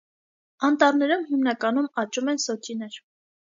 Անտառներում հիմնականում աճում են սոճիներ։